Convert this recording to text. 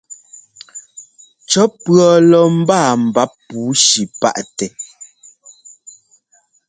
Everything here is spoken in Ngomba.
Cɔ́ pʉ̈ɔ lɔ mbáa mbáp pǔushi páʼtɛ́.